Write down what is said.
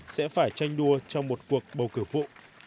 sẽ phải tranh đua trong một cuộc bầu cử